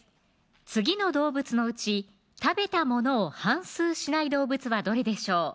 次の動物のうち食べたものを反芻しない動物はどれでしょう